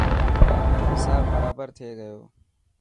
هساب برابر ٿي گيو.